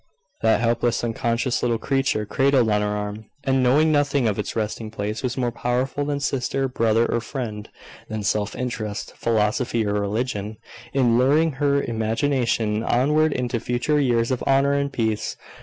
That helpless, unconscious little creature, cradled on her arm, and knowing nothing of its resting place, was more powerful than sister, brother, or friend than self interest, philosophy, or religion, in luring her imagination onward into future years of honour and peace.